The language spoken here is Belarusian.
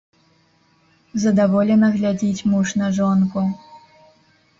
Задаволена глядзіць муж на жонку.